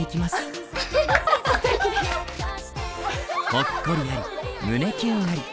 ほっこりあり胸キュンあり。